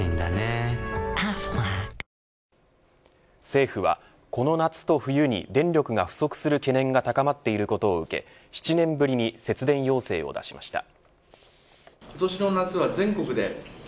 政府は、この夏と冬に電力が不足する懸念が高まっていることを受け７年ぶりに節電要請を出しました。